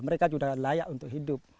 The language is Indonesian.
mereka sudah layak untuk hidup